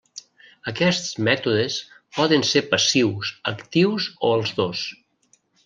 Aquests mètodes poden ser passius, actius, o els dos.